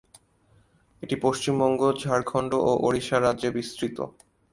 এটি পশ্চিমবঙ্গ, ঝাড়খন্ড ও ওড়িশা রাজ্যে বিস্তৃত।